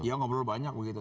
iya ngobrol banyak begitu